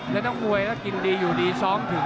ถ้าต้องมวยก็กินดีอยู่ดี๒ถึง